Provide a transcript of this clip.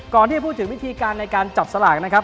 ก่อนที่จะพูดถึงวิธีการในการจับสลากนะครับ